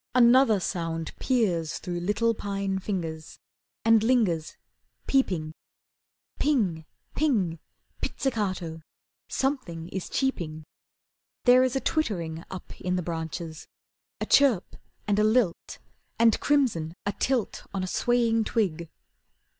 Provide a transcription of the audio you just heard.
Another sound peers Through little pine fingers, And lingers, peeping. Ping! Ping! pizzicato, something is cheeping. There is a twittering up in the branches, A chirp and a lilt, And crimson atilt on a swaying twig.